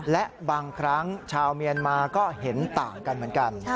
และบางครั้งชาวเมียนมาก็เห็นต่างกันเหมือนกัน